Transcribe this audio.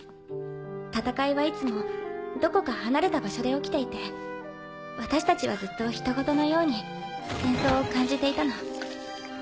戦いはいつもどこか離れた場所で起きていて私たちはずっと人ごとのように戦争を感じていたの。